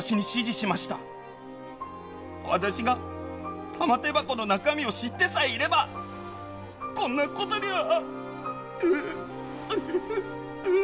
私が玉手箱の中身を知ってさえいればこんな事には。